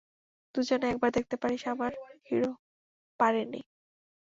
দুজনে একবার দেখতে পারিস-- আমার হিরো পারেনি।